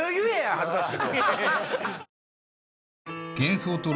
恥ずかしい。